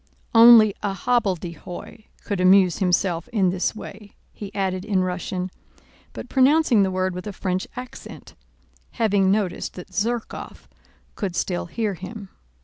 *(2) Only a hobbledehoy could amuse himself in this way," he added in Russian—but pronouncing the word with a French accent—having noticed that Zherkóv could still hear him.